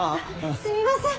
すみません。